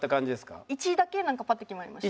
１位だけパッと決まりました。